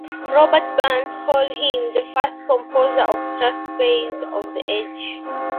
Robert Burns called him "the first composer of Strathspeys of the age".